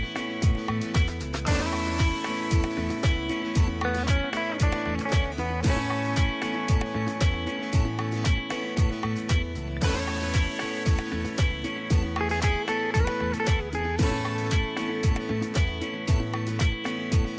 โปรดติดตามตอนต่อไป